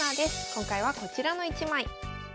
今回はこちらの一枚。